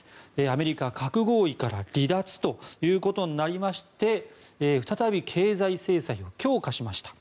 アメリカ、核合意から離脱ということになりまして再び経済制裁を強化しました。